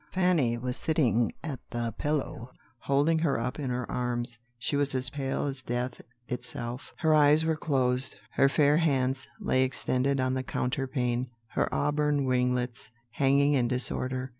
Fanny was sitting at the pillow, holding her up in her arms: she was as pale as death itself; her eyes were closed, her fair hands lay extended on the counterpane, her auburn ringlets hanging in disorder.